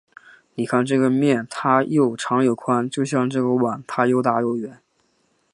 你看这个面，它又长又宽，就像这个碗，它又大又圆。